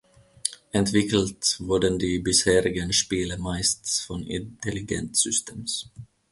Entwickelt wurden die bisherigen Spiele meist von Intelligent Systems.